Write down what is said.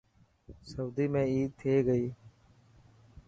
سوئدي ۾ عيد ٿي گئي.